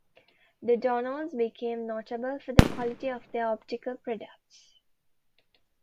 The Dollonds became notable for the quality of their optical products.